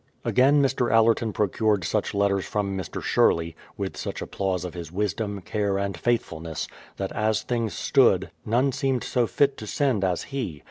Again, Mr. Allerton procured such letters from Mr. Sherley, with such applause of his wisdom, care, and faith fulness, that as things stood, none seemed so fit to send as be.